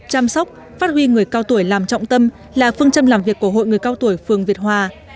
chăm sóc phát huy người cao tuổi làm trọng tâm là phương châm làm việc của hội người cao tuổi phường việt hòa